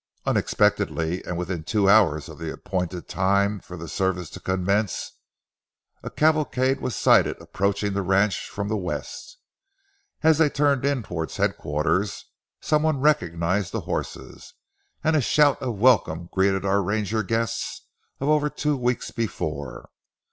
Unexpectedly, and within two hours of the appointed time for the service to commence, a cavalcade was sighted approaching the ranch from the west. As they turned in towards headquarters, some one recognized the horses, and a shout of welcome greeted our ranger guests of over two weeks before.